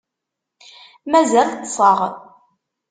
Mazal ṭṭseɣ.